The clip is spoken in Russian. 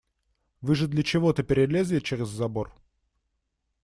Вы же для чего-то перелезли через забор.